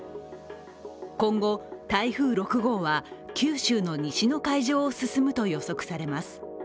今後、台風６号は九州の西の海上を進むと予測されます。